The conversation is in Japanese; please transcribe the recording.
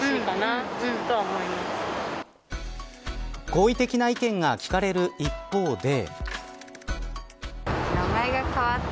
好意的な意見が聞かれる一方で。